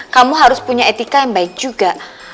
kamu harus punya etika yang baik juga